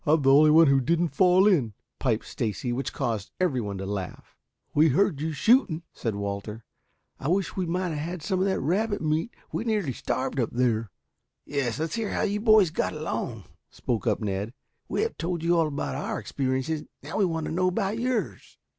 "I I am the only one who didn't fall in," piped Stacy, which caused everyone to laugh. "We heard you shooting," said Walter. "I wish we might have had some of that rabbit meat. We nearly starved up there." "Yes, let's hear how you boys got along," spoke up Ned. "We have told you all about our experiences. Now we want to know about yours."